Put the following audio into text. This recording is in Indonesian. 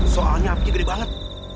soalnya apinya gede banget